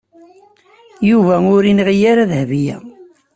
Yuba ur yenɣi ara Dahbiya.